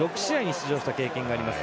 出場した経験があります。